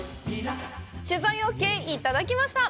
取材ＯＫ、いただきました！